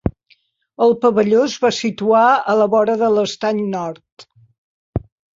El Pavelló es va situar a la vora de l'Estany Nord.